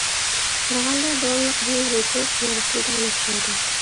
قارىغاندا داۋاملىق يېڭى رېكورت يارىتىلىدىغان ئوخشايدۇ.